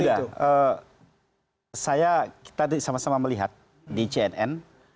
mas yuda saya tadi sama sama melihat di cnn